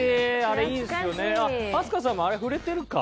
あっ飛鳥さんもあれ触れてるか。